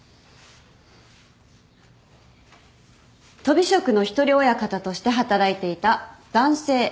とび職の一人親方として働いていた男性Ａ